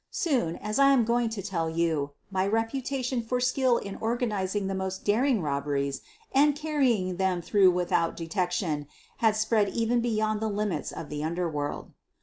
Soon, as QUEEN OF THE BURGLARS 127 I am going to tell you, my reputation for skill in organizing the most daring robberies and carrying them through without detection had spread even be yond the limits of the underworld.